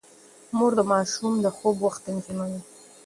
مور د ماشوم د خوب وخت تنظيموي.